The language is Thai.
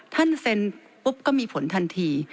ท่านเซ็นปุ๊บก็มีผลทันที